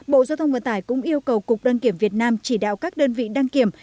bộ giao thông vận tải cũng yêu cầu cục đăng kiểm việt nam chỉ đạo các đơn vị đăng kiểm